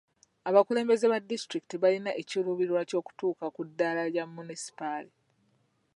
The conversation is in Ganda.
Abakulembeze ba disitulikiti balina ekiruubirirwa ky'okutuuka ku ddaala lya munisipaali.